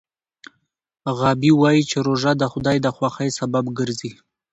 غابي وايي چې روژه د خدای د خوښۍ سبب ګرځي.